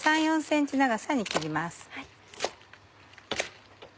３４ｃｍ長さに切ります。